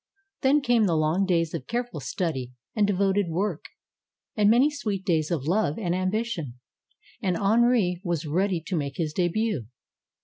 Then came the long days of careful study and de voted work. And many sweet days of love and ambi tion. And Henri was ready to make his debut.